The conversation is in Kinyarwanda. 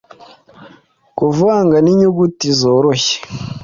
Kuvanga ninyuguti zoroshye